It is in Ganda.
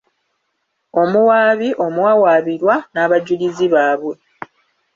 Omuwaabi, omuwawaabirwa n'abajulizi baabwe.